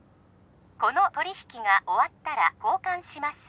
この取り引きが終わったら交換します